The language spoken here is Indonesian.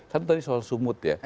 satu tadi soal sumut ya